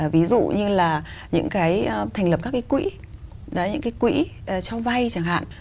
ví dụ như là những cái thành lập các cái quỹ những cái quỹ cho vay chẳng hạn